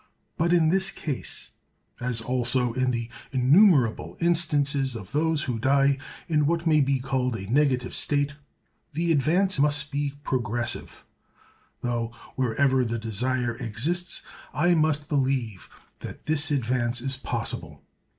But in this case, as also in the innumerable instances of those who die in what may be called a negative state, the advance must be progressive; though, wherever the desire exists, I must believe that this advance is possible.